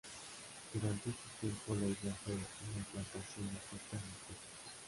Durante este tiempo la isla fue una plantación de frutas y especies.